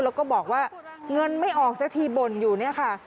แล้วก็บอกว่าเงินไม่ออกซะทีบ่นอยู่เนี่ยค่ะ